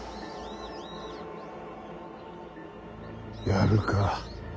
やるか。